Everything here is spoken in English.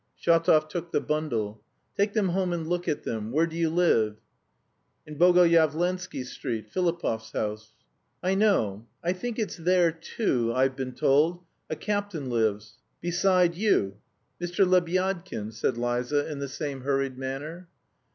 Shatov took the bundle. "Take them home and look at them. Where do you live?" "In Bogoyavlensky Street, Filipov's house." "I know. I think it's there, too, I've been told, a captain lives, beside you, Mr. Lebyadkin," said Liza in the same hurried manner.